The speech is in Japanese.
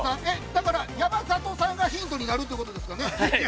だから、やまざとさんがヒントになるということですかね？